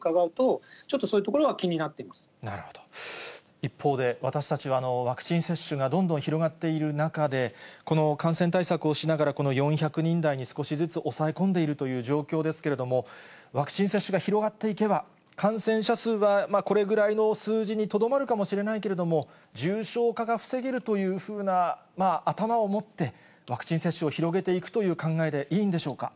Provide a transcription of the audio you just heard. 一方で、私たちはワクチン接種がどんどん広がっている中で、この感染対策をしながら、この４００人台に少しずつ抑え込んでいるという状況ですけれども、ワクチン接種が広がっていけば、感染者数はこれぐらいの数字にとどまるかもしれないけれども、重症化が防げるというふうな頭をもって、ワクチン接種を広げていくという考えでいいんでしょうか。